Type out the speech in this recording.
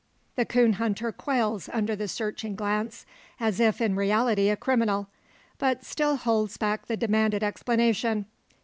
The coon hunter quails under the searching glance, as if in reality a criminal; but still holds back the demanded explanation.